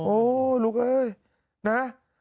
โอ้ลูกเอ้ยนะ